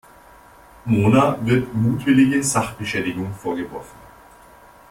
Mona wird mutwillige Sachbeschädigung vorgeworfen.